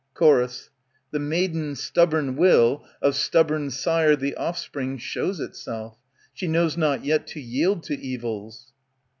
* Chor, The maiden's stubborn will, of stubborn sire The offspring shows itself. She knows not yet To yield to evils.